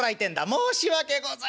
「申し訳ございません。